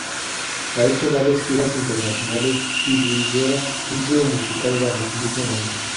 Ha hecho varias giras internacionales y lidera un trío musical bajo su mismo nombre.